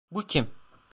Bu kim?